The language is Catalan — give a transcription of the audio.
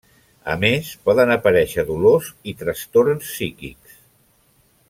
A més, poden aparèixer dolors i trastorns psíquics.